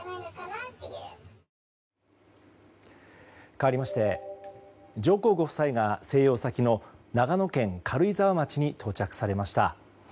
かわりまして上皇ご夫妻が静養先の長野県軽井沢町に到着されました。